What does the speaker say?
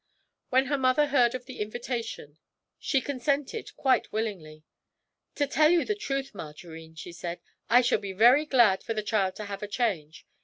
When her mother heard of the invitation, she consented quite willingly. 'To tell you the truth, Margarine,' she said, 'I shall be very glad for the child to have a change.